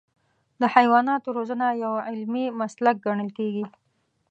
د حیواناتو روزنه یو علمي مسلک ګڼل کېږي.